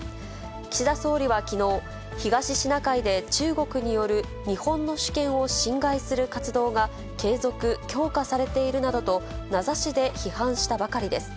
岸田総理はきのう、東シナ海で中国による日本の主権を侵害する活動が継続・強化されているなどと名指しで批判したばかりです。